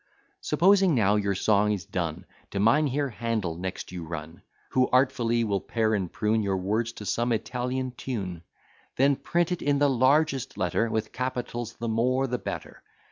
Supposing now your song is done, To Mynheer Handel next you run, Who artfully will pare and prune Your words to some Italian tune: Then print it in the largest letter, With capitals, the more the better.